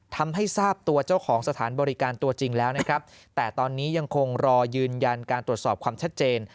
ทำให้ทราบตัวเจ้าของสถานบริการตัวจริงแล้วนะครับแต่ตอนนี้ยังคงรอยืนยันการตรวจสอบความชัดเจน